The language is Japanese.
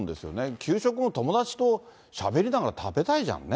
給食も友達としゃべりながら食べたいじゃんね。